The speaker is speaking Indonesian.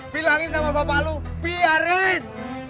bilangin sama bapak lu biarin